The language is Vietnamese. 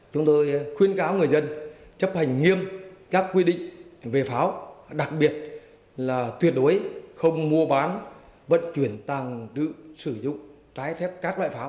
chúng tôi khuyên cáo người dân chấp hành nghiêm các quy định về pháo đặc biệt là tuyệt đối không mua bán vận chuyển tàng trữ sử dụng trái phép các loại pháo